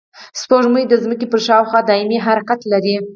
سپوږمۍ د ځمکې پر شاوخوا دایمي حرکت لري